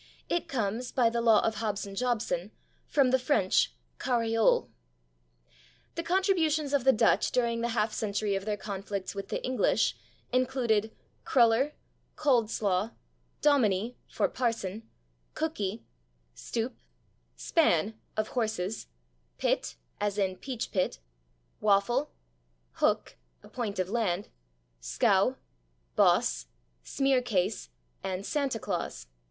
It comes, by the law of Hobson Jobson, from the French /carriole/. The contributions of the Dutch during the half century of their conflicts with the English included /cruller/, /cold slaw/, /dominie/ (for /parson/), /cookey/, /stoop/, /span/ (of horses), /pit/ (as in /peach pit/), /waffle/, /hook/ (a point of land), /scow/, /boss/, /smearcase/ and /Santa Claus